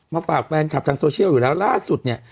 ฝากแฟนคลับทางโซเชียลอยู่แล้วล่าสุดเนี่ย